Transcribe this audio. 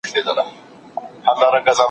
هغه اړيکه چي د ورورولۍ پر بنسټ وي نه شليږي.